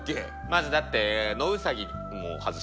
まずだってノウサギも外してますよね。